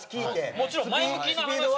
もちろん前向きな話。